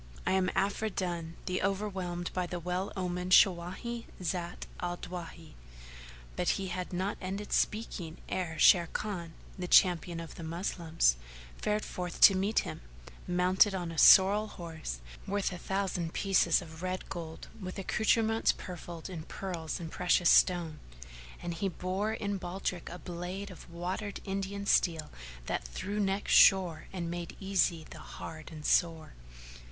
I am Afridun the overwhelmed by the well omened Shawáhi,[FN#448] Zat al Dawahi." But he had not ended speaking ere Sharrkan, the Champion of the Moslems, fared forth to meet him, mounted on a sorrel horse worth a thousand pieces of red gold with accoutrements purfled in pearls and precious stone; and he bore in baldrick a blade of watered Indian steel that through necks shore and made easy the hard and sore.